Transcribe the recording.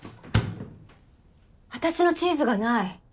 私のチーズがない。